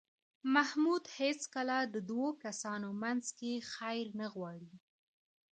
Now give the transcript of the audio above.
محمود هېڅکله د دو کسانو منځ کې خیر نه غواړي.